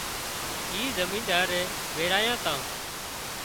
اِي زمينۮارئي وورايان تان